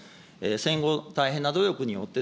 戦後、大変な努力によって、